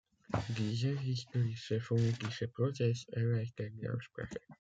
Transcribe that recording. Dieser historische phonetische Prozess erleichtert die Aussprache.